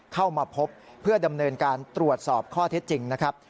เข้ามาพบเพื่อดำเนินการตรวจสอบข้อเท็จจริงนะครับ